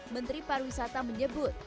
menteri pariwisata menyebut